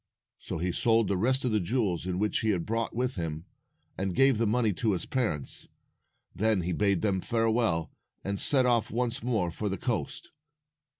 So he sold the rest of the jewels which he had brought with him, and gave the money to his parents. Then he bade them farewell, and set *off once more for the coast.